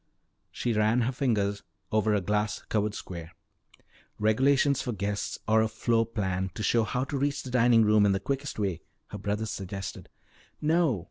She ran her finger over a glass covered square. "Regulations for guests, or a floor plan to show how to reach the dining room in the quickest way," her brother suggested. "No."